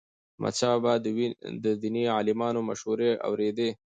احمدشاه بابا به د دیني عالمانو مشورې اوريدي.